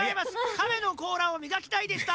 「カメのこうらをみがきたい」でした！